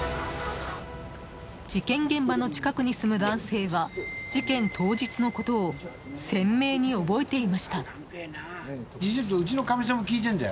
事件現場の近くに住む男性は事件当日のことを鮮明に覚えていました。